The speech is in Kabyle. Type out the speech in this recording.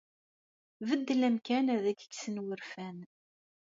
Beddel amkan ad ak-kksen wurfan.